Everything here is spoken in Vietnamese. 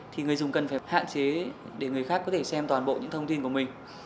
thì người dùng cần phải hạn chế để người khác có thể xem toàn bộ những thông tin của mình